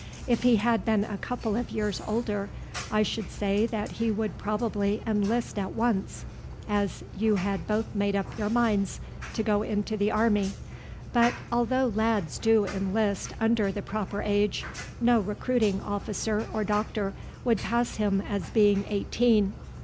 If he had been a couple of years older I should say that he would probably enlist at once, as you had both made up your minds to go into the army. But although lads do enlist under the proper age, no recruiting officer or doctor would pass him as being eighteen.